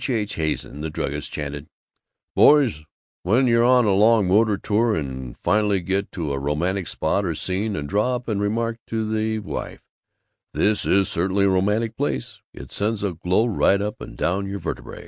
H. Hazen, the druggist, chanted, "Boys, when you're on a long motor tour and finally get to a romantic spot or scene and draw up and remark to the wife, 'This is certainly a romantic place,' it sends a glow right up and down your vertebræ.